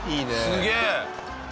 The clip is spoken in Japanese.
すげえ！